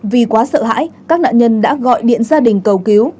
vì quá sợ hãi các nạn nhân đã gọi điện gia đình cầu cứu